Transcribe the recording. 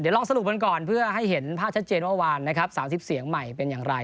ลองสรุปกันก่อนเพื่อให้เห็นภาพชัดเจนเมื่อวานนะครับ๓๐เสียงใหม่เป็นอย่างไร